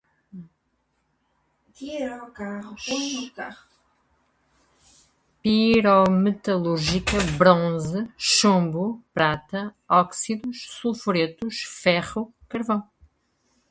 pirometalúrgica, bronze, chumbo, prata, óxidos, sulfuretos, ferro, carvão